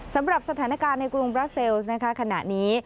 สำหรับสถานการณ์ในกรุงบราเซลล์นะคะขณะนี้